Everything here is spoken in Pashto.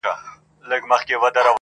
یا درویش سي یا سایل سي یاکاروان سي.